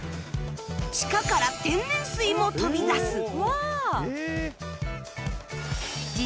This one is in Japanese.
地下から天然水も飛び出すわあ！